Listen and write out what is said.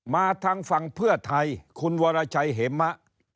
ทางฝั่งเพื่อไทยคุณวรชัยเหมะ